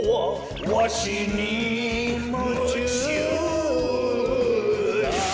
「わしにむちゅうさ！」